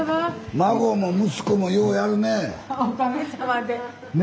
孫も息子もようやるね